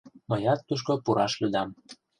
Мыят тушко пураш лӱдам.